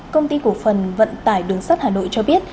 công ty cổ phần vận tải đường sắt hà nội cho biết